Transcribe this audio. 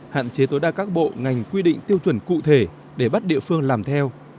hạn chế tối đa các bộ ngành quy định tiêu chuẩn cụ thể để bắt địa phương làm theo